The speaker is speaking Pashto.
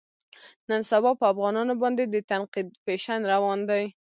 نن سبا په افغانانو باندې د تنقید فیشن روان دی.